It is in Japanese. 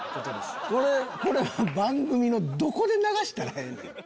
これは番組のどこで流したらええねん。